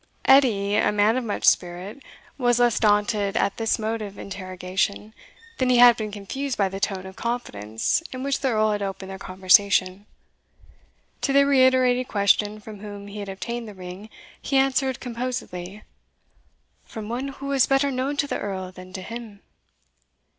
Edie, a man of much spirit, was less daunted at this mode of interrogation than he had been confused by the tone of confidence in which the Earl had opened their conversation. To the reiterated question from whom he had obtained the ring, he answered composedly, "From one who was better known to the Earl than to him."